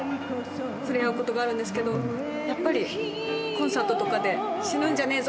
触れ合うことがあるけどやっぱりコンサートとかで死ぬんじゃねえぞ！